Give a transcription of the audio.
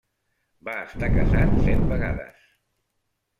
Va estar casat set vegades.